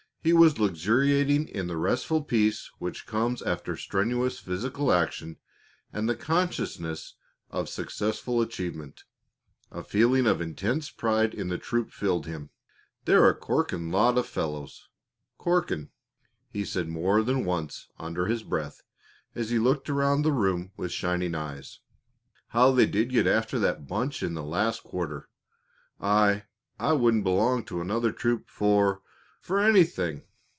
He was luxuriating in the restful peace which comes after strenuous physical action and the consciousness of successful accomplishment. A feeling of intense pride in the troop filled him. "They're a corking lot of fellows corking!" he said more than once under his breath as he looked around the room with shining eyes. "How they did get after that bunch in the last quarter! I I wouldn't belong to any other troop for for anything!"